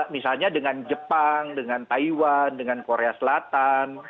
misalnya dengan jepang dengan taiwan dengan korea selatan